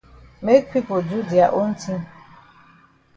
Make pipo do dia own tin.